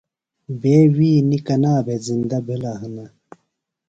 بے ویِئ نیۡ کنا بھےۡ زِندہ بِھلہ ہِنہ ؟